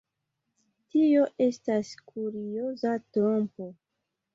Tio estas kurioza trompo.